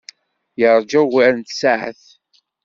Yeṛja ugar n tsaɛet.